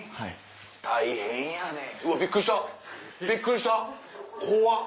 大変やでうわびっくりしたびっくりした怖っ。